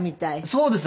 そうです。